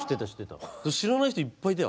知らない人いっぱいいたよ